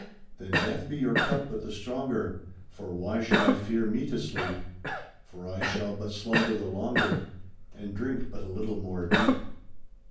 Then death be your cup but the stronger, For why should I fear me to sleep? For I shall but slumber the longer And drink but a little more deep.